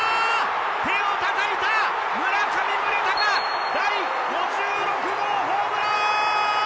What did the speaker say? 手を叩いた村上宗隆第５６号ホームラン！